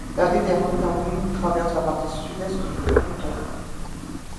La rivière Matawin traverse la partie sud-est du canton.